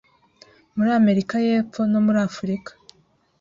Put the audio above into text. muri Amerika y'Epfo no muri Afurika